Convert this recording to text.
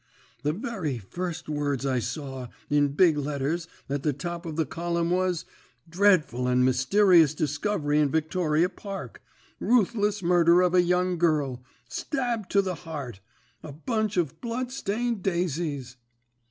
"The very first words I saw, in big letters, at the top of the column was 'Dreadful and Mysterious Discovery in Victoria Park. Ruthless Murder of a Young Girl. Stabbed to the Heart! A Bunch of Blood stained Daisies!'